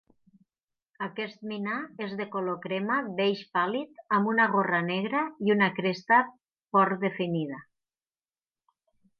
Aquest minà és de color crema beix pàl·lid amb una gorra negra i una cresta por definida.